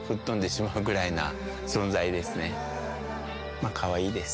まあかわいいです。